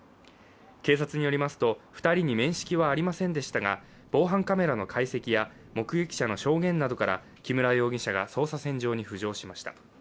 警察によりますと２人に面識はありませんでしたが、防犯カメラの解析や目撃者の証言などから木村容疑者が捜査線上に浮上しました。